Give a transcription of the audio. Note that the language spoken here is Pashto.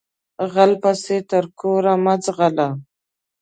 غل پسې تر کوره مه ځغلهٔ